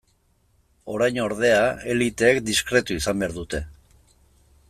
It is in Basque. Orain, ordea, eliteek diskretu izan behar dute.